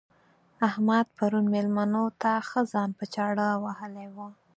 احمد پرون مېلمنو ته ښه ځان په چاړه وهلی وو.